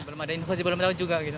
belum ada inovasi belum tahu juga gitu